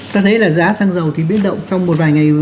ta thấy là giá sang dầu biến động trong một vài ngày